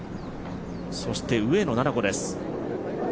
そして上野菜々子です。